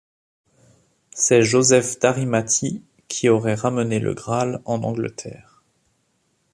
C'est Joseph d'Arimathie qui aurait ramené le Graal en Angleterre.